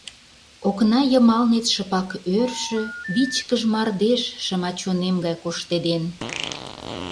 Окна йымалнет шыпак ӧршӧ, вичкыж Мардеж шыма чонем гай коштеден.